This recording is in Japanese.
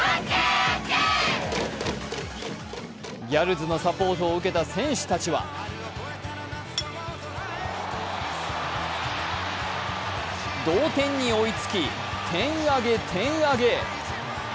ギャルズのサポートを受けた選手たちは同点に追いつき、テンアゲ、テンアゲ。